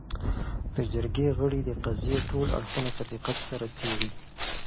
. د جرګې غړي د قضیې ټول اړخونه په دقت سره څېړي